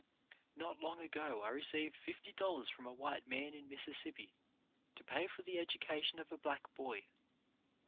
Not long ago I received fifty dollars from a white man in Mississippi to pay for the education of a black boy.